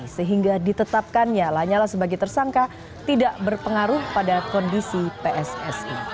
sehingga ditetapkannya lanyala sebagai tersangka tidak berpengaruh pada kondisi pssi